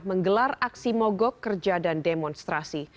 menggelar aksi mogok kerja dan demonstrasi